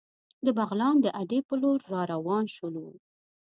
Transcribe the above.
د بغلان د اډې په لور را روان شولو.